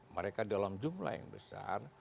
mereka dalam jumlah yang besar